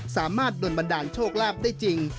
สามารถโดนบันดาลโชคลาภได้จริง